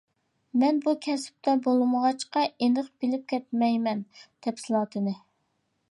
مەن بۇ كەسىپتە بولمىغاچقا ئېنىق بىلىپ كەتمەيمەن تەپسىلاتىنى.